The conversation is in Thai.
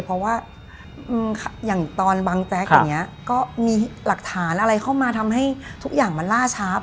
เพราะว่าอย่างตอนบังแจ๊กอย่างนี้ก็มีหลักฐานอะไรเข้ามาทำให้ทุกอย่างมันล่าช้า